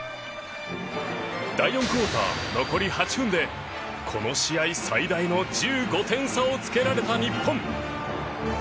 第４クオーター残り８分でこの試合最大の１５点差をつけられた日本。